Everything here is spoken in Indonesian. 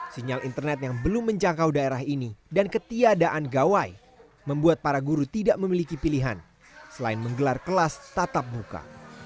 sinyal internet yang belum menjangkau daerah ini dan ketiadaan gawai membuat para guru tidak memiliki pilihan selain menggelar kelas tatap muka